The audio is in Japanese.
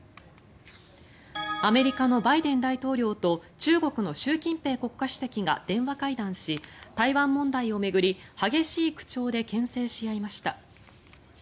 アメリカのバイデン大統領と中国の習近平国家主席が電話会談し、台湾問題を巡り激しい口調でけん制し合いました。